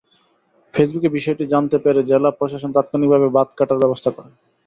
ফেসবুকে বিষয়টি জানতে পেরে জেলা প্রশাসন তাৎক্ষণিকভাবে বাঁধ কাটার ব্যবস্থা করে।